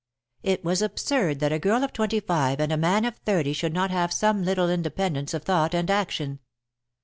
It was absurd that a girl of twenty five and a man of thirty should not have some little independence of thought and action.